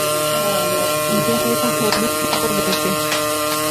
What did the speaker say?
Jeguerohory hekovépe.